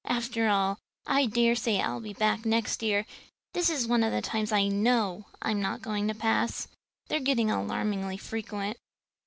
After all, I dare say I'll be back next year. This is one of the times I know I'm not going to pass. They're getting alarmingly frequent."